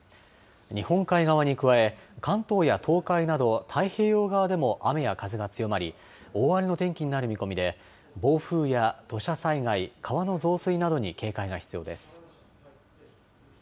日本海側に加え関東や東海など太平洋側でも雨や風が強まり大荒れの天気になる見込みで暴風や土砂災害、川の増水などに警戒が必要です。